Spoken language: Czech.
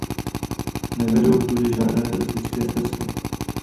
Nevedou tudy žádné turistické stezky.